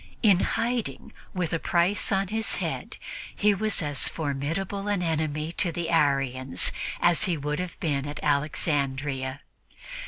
In hiding, with a price on his head, he was as formidable an enemy to the Arians as he would have been at Alexandria.